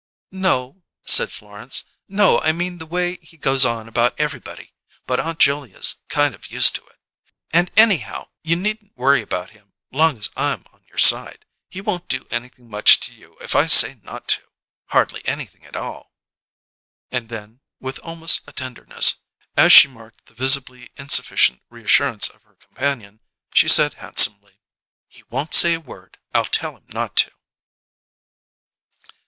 "No," said Florence. "No: I mean the way he goes on about everybody. But Aunt Julia's kind of used to it. And anyhow you needn't worry about him 'long as I'm on your side. He won't do anything much to you if I say not to. Hardly anything at all." And then, with almost a tenderness, as she marked the visibly insufficient reassurance of her companion, she said handsomely: "He won't say a word. I'll tell him not to."